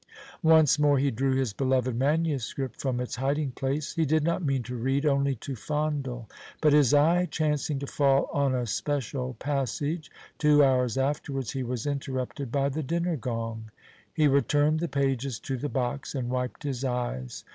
Once more he drew his beloved manuscript from its hiding place. He did not mean to read, only to fondle; but his eye chancing to fall on a special passage two hours afterwards he was interrupted by the dinner gong. He returned the pages to the box and wiped his eyes.